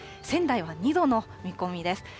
仙台は２度の見込みです。